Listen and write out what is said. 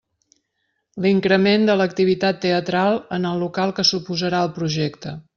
L'increment de l'activitat teatral en el local que suposarà el projecte.